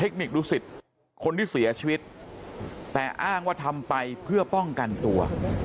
ดูสิตคนที่เสียชีวิตแต่อ้างว่าทำไปเพื่อป้องกันตัว